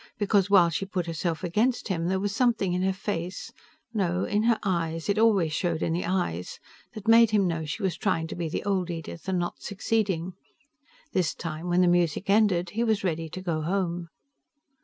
Because while she put herself against him, there was something in her face no, in her eyes; it always showed in the eyes that made him know she was trying to be the old Edith and not succeeding. This time when the music ended, he was ready to go home.